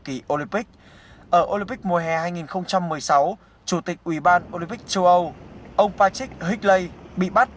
kỳ olympic ở olympic mùa hè hai nghìn một mươi sáu chủ tịch ủy ban olympic châu âu ông patrick hiklay bị bắt